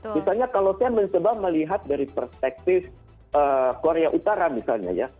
misalnya kalau saya mencoba melihat dari perspektif korea utara misalnya ya